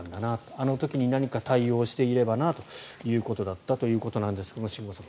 あの時に何か対応していればなということだったということですが新郷さん